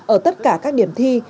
ở tất cả các điểm thi